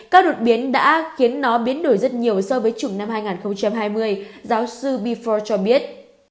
các đột biến đã khiến nó biến đổi rất nhiều so với chủng năm hai nghìn hai mươi giáo sư befor cho biết